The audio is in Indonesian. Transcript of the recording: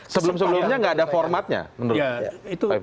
sebelum sebelumnya nggak ada formatnya menurut pak ifdhel